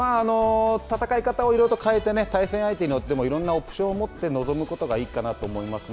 戦い方をいろいろと変えて対戦相手によってもいろんなオプションを持って臨むことがいいかなと思いますね。